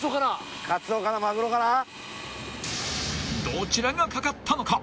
［どちらが掛かったのか］